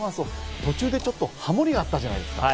途中でちょっとハモリがあったじゃないですか。